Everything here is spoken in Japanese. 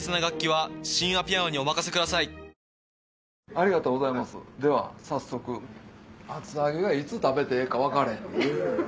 ありがとうございますでは早速厚揚げはいつ食べてええか分からへん。